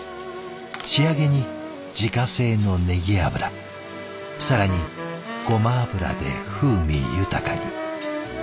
仕上げに自家製のネギ油更にゴマ油で風味豊かに。